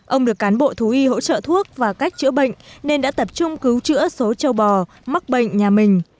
ông được cán bộ thú y hỗ trợ thuốc và cách chữa bệnh nên đã tập trung cứu chữa số châu bò mắc bệnh nhà mình